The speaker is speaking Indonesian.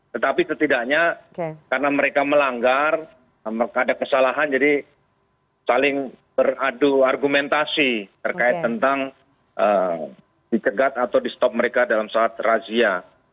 tetapi setidaknya karena mereka melanggar ada kesalahan jadi saling beradu argumentasi terkait tentang dicegat atau di stop mereka dalam saat razia